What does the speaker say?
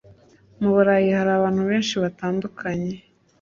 Mu Burayi hari abantu benshi batandukanye.